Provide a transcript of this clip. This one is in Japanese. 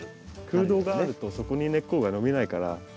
空洞があるとそこに根っこが伸びないから。